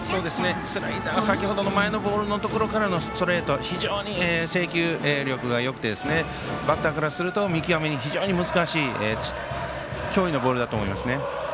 スライダー、先ほどの前のボールのところからのストレート非常に制球力がよくてバッターからすると見極めが非常に難しい脅威のボールだと思いますね。